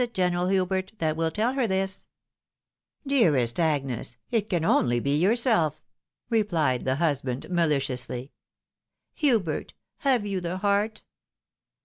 General Hubert, that wiU tell her this ?" "Dearest Agnes! It can only be yourself," replied her husband, maliciously. 128 THE WIDOW MARRIED. " Hubert ! have you the heart